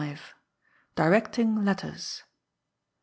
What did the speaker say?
Directing Letters.